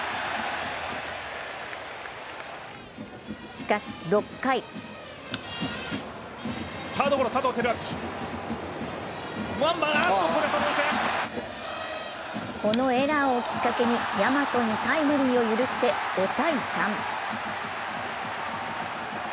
しかし６回このエラーをきっかけに大和にタイムリーを許して５−３。